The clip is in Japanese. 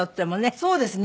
そうですね。